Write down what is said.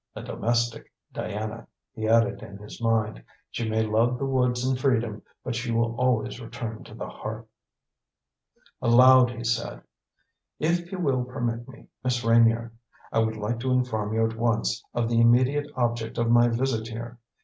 "A domestic Diana," he added in his mind. "She may love the woods and freedom, but she will always return to the hearth." Aloud he said: "If you will permit me, Miss Reynier, I would like to inform you at once of the immediate object of my visit here.